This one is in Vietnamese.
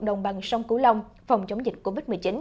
đồng bằng sông cửu long phòng chống dịch covid một mươi chín